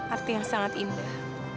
artinya sangat indah